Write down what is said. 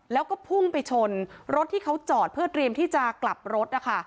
แล้วก็พุ่งไปชนรถที่เขาจอดเพื่อเตรียมที่จะกลับรถนะคะ